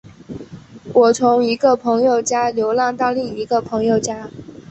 我从一个朋友家流浪到另一个朋友家。